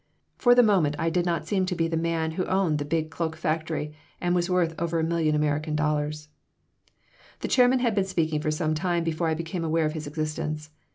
For the moment I did not seem to be the man who owned a big cloak factory and was worth over a million American dollars The chairman had been speaking for some time before I became aware of his existence.